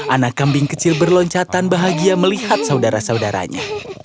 anak kambing kecil berloncatan bahagia melihat saudara saudaranya